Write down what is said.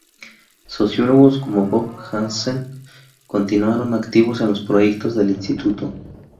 Sociólogos como Bob Johansen continuaron activos en los proyectos del Instituto.